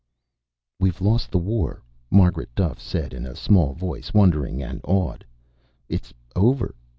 "We've lost the war," Margaret Duffe said in a small voice, wondering and awed. "It's over.